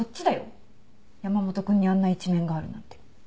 山本君にあんな一面があるなんて。